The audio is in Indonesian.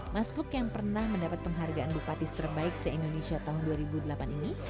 masfuk yang pernah mendapat penghargaan bupati terbaik se indonesia tahun dua ribu delapan ini